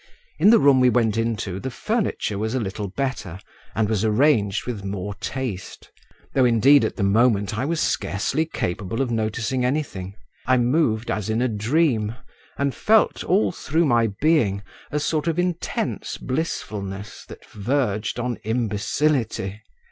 In the room we went into, the furniture was a little better, and was arranged with more taste. Though, indeed, at the moment, I was scarcely capable of noticing anything; I moved as in a dream and felt all through my being a sort of intense blissfulness that verged on imbecility.